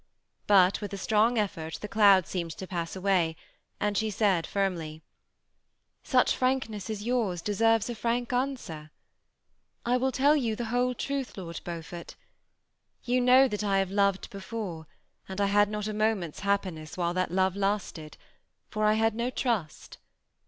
But with a strong effort the cloud seemed to pass away, and she said, firmly, ^^ Such frankness as yours deserves a frank answer. I will tell you the whole truth, Lord A V THE SEMI ATTACHED COUPLE. 319 Beaufort ; you know that I have loved before, and I had not a moment's happiness while that love lasted, for I had no trust.